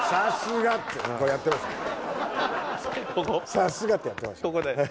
「さすが！」ってやってました。